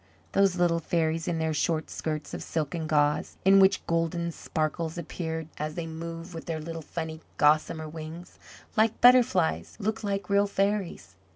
Those little fairies in their short skirts of silken gauze, in which golden sparkles appeared as they moved with their little funny gossamer wings, like butterflies, looked like real fairies.